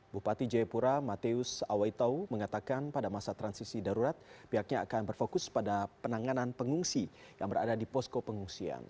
bupati jayapura mateus awaitau mengatakan pada masa transisi darurat pihaknya akan berfokus pada penanganan pengungsi yang berada di posko pengungsian